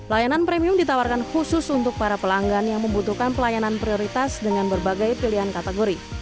layanan premium ditawarkan khusus untuk para pelanggan yang membutuhkan pelayanan prioritas dengan berbagai pilihan kategori